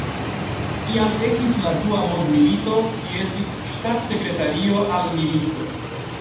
Kiam ekis la Dua mondmilito li estis ŝtatsekretario al milito.